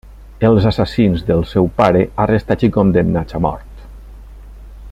Els assassins del seu pare arrestats i condemnats a mort.